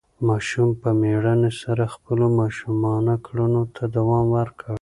ماشوم په مېړانې سره خپلو ماشومانه کړنو ته دوام ورکړ.